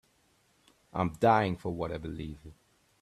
I'm dying for what I believe.